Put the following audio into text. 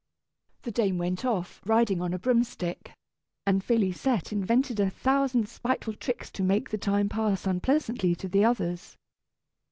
The dame went off riding on a broom stick, and Félisette invented a thousand spiteful tricks to make the time pass unpleasantly to the others.